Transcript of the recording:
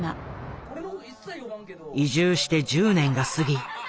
移住して１０年が過ぎ